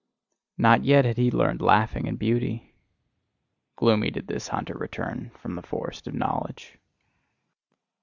Not yet had he learned laughing and beauty. Gloomy did this hunter return from the forest of knowledge.